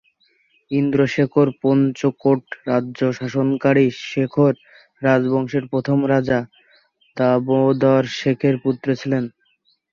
ইন্দ্র শেখর পঞ্চকোট রাজ্য শাসনকারী শেখর রাজবংশের প্রথম রাজা দামোদর শেখরের পুত্র ছিলেন।